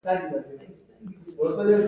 د انسان په بدن کې دوه سوه شپږ هډوکي دي